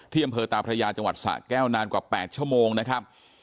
อำเภอตาพระยาจังหวัดสะแก้วนานกว่า๘ชั่วโมงนะครับ